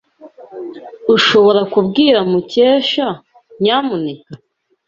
Ushobora kubwira Mukesha, nyamuneka?